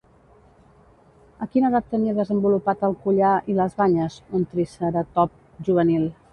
A quina edat tenia desenvolupat el collar i les banyes un triceratop juvenil?